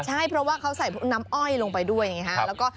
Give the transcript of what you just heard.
ใช่เพราะว่าเขาใส่พวกน้ำอ้อยลงไปด้วยไงฮะ